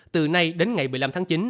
từ nay đến ngày một mươi năm tháng chín